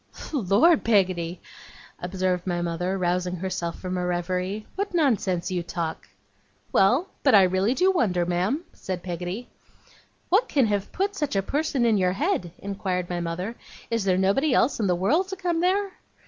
'Lor, Peggotty!' observed my mother, rousing herself from a reverie, 'what nonsense you talk!' 'Well, but I really do wonder, ma'am,' said Peggotty. 'What can have put such a person in your head?' inquired my mother. 'Is there nobody else in the world to come there?